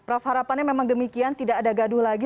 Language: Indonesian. prof harapannya memang demikian tidak ada gaduh lagi